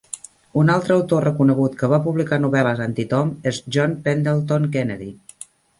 Un altre autor reconegut que va publicar novel·les anti-Tom és John Pendleton Kennedy.